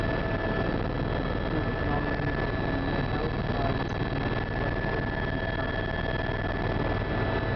He was nominated for the Nobel Prize in Literature fourteen times.